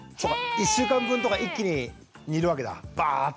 １週間分とか一気に煮るわけだバーッと。